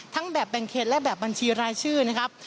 แบบแบ่งเขตและแบบบัญชีรายชื่อนะครับ